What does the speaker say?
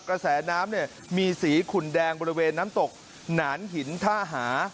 กระแสน้ำเนี่ยมีสีขุนแดงบริเวณน้ำตกหนานหินท่าหา